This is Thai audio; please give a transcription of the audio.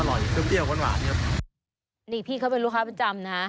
อร่อยซึ้มเยี่ยมหวานหวานเยอะนี่พี่เขาเป็นลูกค้าประจำนะ